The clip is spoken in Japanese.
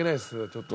ちょっと。